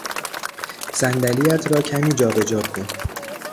صندلیات را کمی جابجا کن